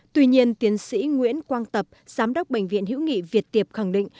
tuy nhiên tiến sĩ nguyễn quang tập giám đốc bệnh viện hữu nghị việt tiệp khẳng định